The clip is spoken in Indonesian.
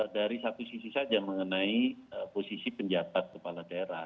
dari satu sisi saja mengenai posisi penjatat kepala daerah